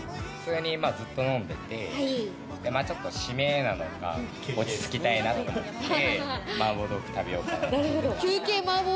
ずっと飲んでて、締めなのか、落ち着きたいなと思って麻婆豆腐食べようかなって。